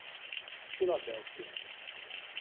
Filadélfia